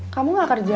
kamu nggak kerja